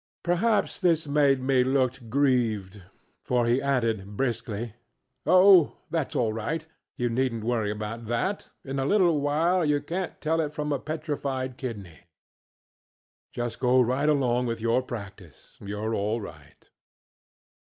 ŌĆØ Perhaps this made me look grieved, for he added, briskly: ŌĆ£Oh, thatŌĆÖs all right, you neednŌĆÖt worry about that; in a little while you canŌĆÖt tell it from a petrified kidney. Just go right along with your practice; youŌĆÖre all right.